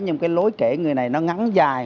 nhưng cái lối kể người này nó ngắn dài